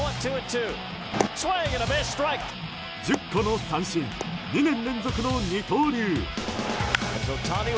１０個の三振２年連続の二刀流。